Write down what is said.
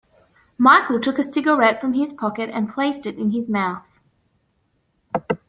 Michael took a cigarette from his pocket and placed it in his mouth.